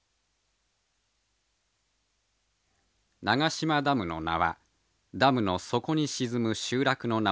長島ダムの名はダムの底に沈む集落の名をとっています。